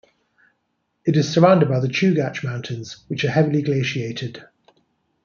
It is surrounded by the Chugach Mountains, which are heavily glaciated.